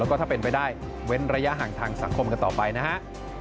แล้วก็ถ้าเป็นไปได้เว้นระยะห่างทางสังคมกันต่อไปนะฮะ